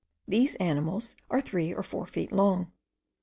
These animals are three or four feet long.